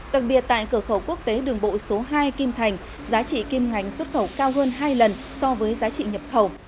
đặc biệt tại cửa khẩu quốc tế đường bộ số hai kim thành giá trị kim ngánh xuất khẩu cao hơn hai lần so với giá trị nhập khẩu